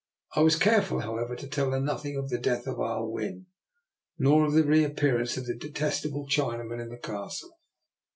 I was careful, however, to tell her nothing of the death of Ah Win, nor of the reappearance of the detestable Chinaman in the Castle.